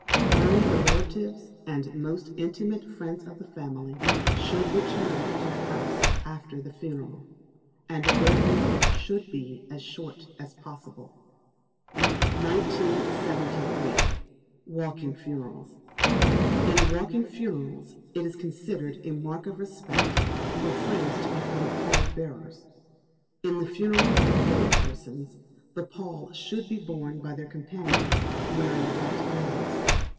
Only the relatives and most intimate friends of the family should return to the house after the funeral; and their visit should be as short as possible. 1973. Walking Funerals. In Walking Funerals it is considered a mark of respect for friends to become pall bearers. In the funerals of young persons, the pall should be borne by their companions, wearing white gloves.